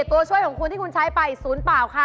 ตัวช่วยของคุณที่คุณใช้ไป๐เปล่าค่ะ